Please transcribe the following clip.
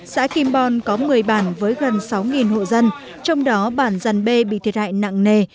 xã kim bon có một mươi bản với gần sáu hộ dân trong đó bản dàn bê bị thiệt hại nặng nề